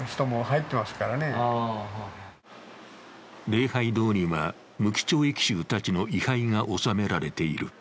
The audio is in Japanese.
礼拝堂には無期懲役囚たちの位はいが納められている。